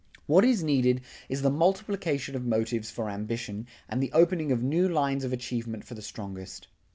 What is needed is the multiplication of motives for ambition and the opening of new lines of achievement for the strongest.